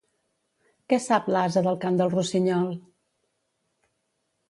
Què sap l'ase del cant del rossinyol?